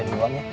ceng doang ya